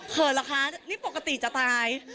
เขินล่ะคะนี่ปกติจะตาย